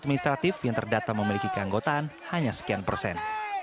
administratif yang terdata memiliki keanggotaan hanya sekian persen